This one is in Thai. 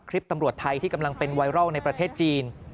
ทริปนี่กำลังเป็นไวรอลในประเทศจีน